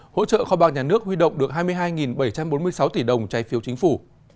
hỗ trợ kho bạc nhà nước huy động được hai mươi hai bảy trăm bốn mươi sáu tỷ đồng trái phiếu chính phủ